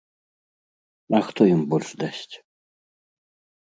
А хто ім больш дасць?